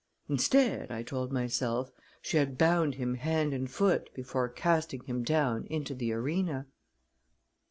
Instead, I told myself, she had bound him hand and foot before casting him down into the arena.